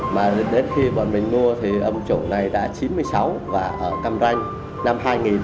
mà đến khi bọn mình mua thì ông chủ này đã chín mươi sáu và ở cam ranh năm hai nghìn